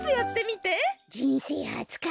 じんせいはつか。